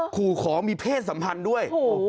ขอมีเพศสัมพันธ์ด้วย